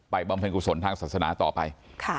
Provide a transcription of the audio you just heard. บำเพ็ญกุศลทางศาสนาต่อไป